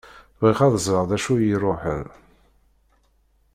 Bɣiɣ ad ẓreɣ d acu i y-iruḥen.